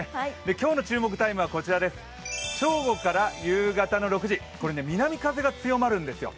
今日の注目タイムは正午から夕方の６時、これ、南風が強まるんですよ。